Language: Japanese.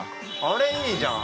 ◆あれ、いいじゃん。